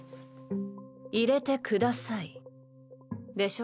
「いれてください」でしょ？